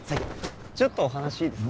ちょっとお話いいですか？